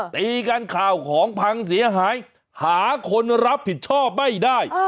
ตีกันข่าวของพังเสียหายหาคนรับผิดชอบไม่ได้